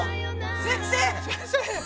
先生！